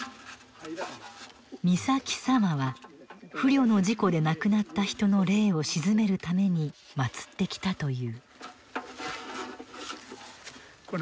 「御崎さま」は不慮の事故で亡くなった人の霊を鎮めるために祀ってきたという。